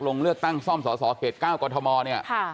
ลงเลือกตั้งซ่อมสสเขต๙กรทมเนี่ย